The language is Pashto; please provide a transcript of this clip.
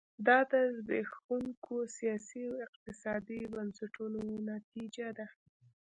دا د زبېښونکو سیاسي او اقتصادي بنسټونو نتیجه ده.